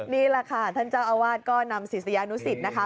นี่แหละค่ะท่านเจ้าอาวาสก็นำศิษยานุสิตนะคะ